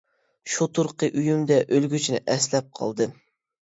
شۇ تۇرقى ئۆيۈمدە ئۆلگۈچىنى ئەسلەپ قالدىم.